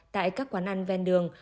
tại các quán ăn ven đường